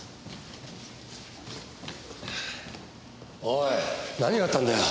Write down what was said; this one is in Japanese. おい何があったんだよ？